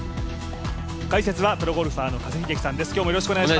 解説はプロゴルファーの加瀬秀樹さんです。